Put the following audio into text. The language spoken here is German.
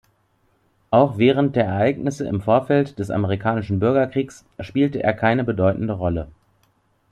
Auch während der Ereignisse im Vorfeld des Amerikanischen Bürgerkriegs spielte er keine bedeutende Rolle.